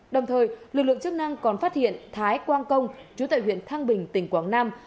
đồng thời lực lượng chức năng còn phát hiện thái quang công chú tại huyện thăng bình tỉnh quảng nam